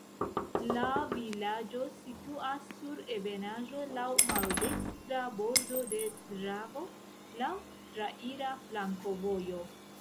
La vilaĝo situas sur ebenaĵo, laŭ maldekstra bordo de Dravo, laŭ traira flankovojo.